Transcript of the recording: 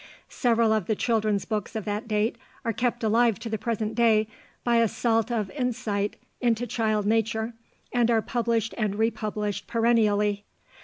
Several of the children's books of that date are kept alive to the present day by a salt of insight into child nature, and are published and re published perennially.